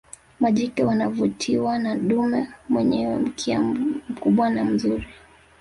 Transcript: Majike wanavutiwa na dume mwenyewe mkia mkubwa na mzuri